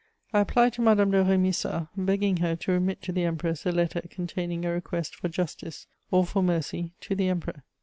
I applied to Madame de Rémusat, begging her to remit to the Empress a letter containing a request for justice, or for mercy, to the Emperor.